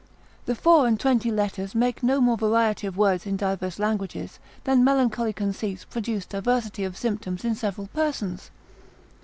The four and twenty letters make no more variety of words in diverse languages, than melancholy conceits produce diversity of symptoms in several persons.